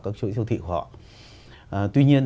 các chuỗi thiêu thị của họ tuy nhiên